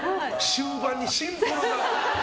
終盤にシンプルな。